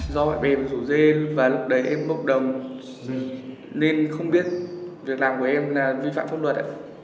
do bạn bè rủ dê và lúc đấy em bốc đồng nên không biết việc làm của em là vi phạm pháp luật